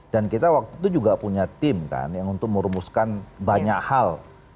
dan kita waktu itu juga punya tim kan yang untuk merumuskan banyak hal